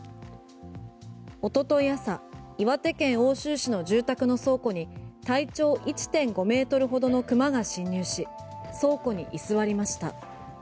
おととい朝岩手県奥州市の住宅の倉庫に体長１．５ｍほどの熊が侵入し倉庫に居座りました。